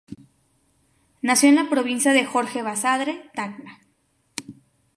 Nació en la Provincia de Jorge Basadre, Tacna.